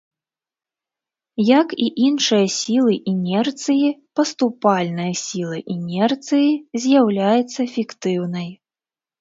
Як і іншыя сілы інерцыі, паступальная сіла інерцыі з'яўляецца фіктыўнай.